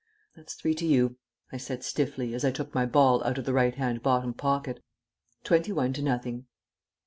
"That's three to you," I said stiffly, as I took my ball out of the right hand bottom pocket. "Twenty one to nothing."